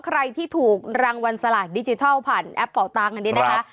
ใครที่ถูกรางวัลสลากดิจิทัลผ่านแอปเป่าตังค์อันนี้นะคะ